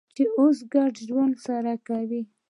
چې اوس ګډ ژوند سره کوي.